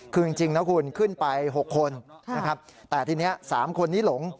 คือจริงนะคุณขึ้นไป๖คนนะครับแต่ทีนี้๓คนนี้หลง